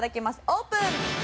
オープン！